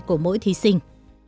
của mỗi thí sinh